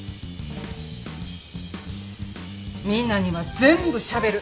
みんなには全部しゃべる。